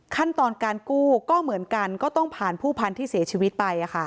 ขั้นตอนการกู้ก็เหมือนกันก็ต้องผ่านผู้พันธุ์ที่เสียชีวิตไป